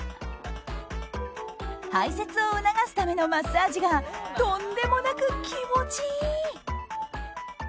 排泄を促すためのマッサージがとんでもなく気持ちいい！